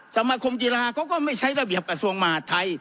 สมาคมกีฬาเขาก็ไม่ใช้ระเบียบกระทรวงมหาดไทย